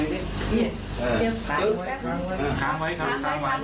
แล้วก็อภัยการเรียบร้อย